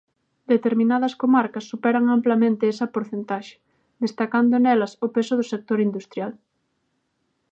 Determinadas comarcas superan amplamente esa porcentaxe, destacando nelas o peso do sector industrial.